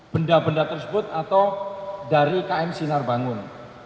benda benda tersebut atau dari km sinar bangun